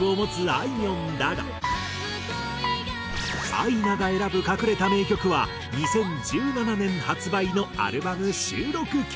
アイナが選ぶ隠れた名曲は２０１７年発売のアルバム収録曲。